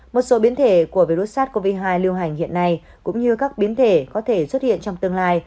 một số biến thể của virus sars cov hai lưu hành hiện nay cũng như các biến thể có thể xuất hiện trong tương lai